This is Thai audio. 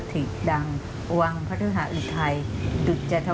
มีความรู้สึกแบบนั้น